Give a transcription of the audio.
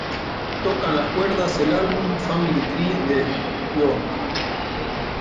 Tocan las cuerdas el álbum "Family Tree" de Björk.